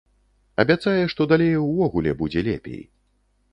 Абяцае, што далей увогуле будзе лепей.